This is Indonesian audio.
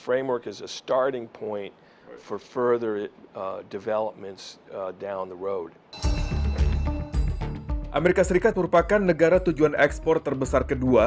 amerika serikat merupakan negara tujuan ekspor terbesar kedua